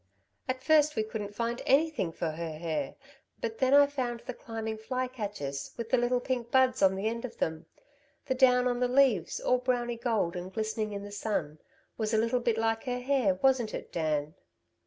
At first we couldn't find anything for her hair, but then I found the climbing fly catchers with the little pink buds on the end of them. The down on the leaves, all browny gold and glistening in the sun, was a little bit like her hair, wasn't it, Dan?"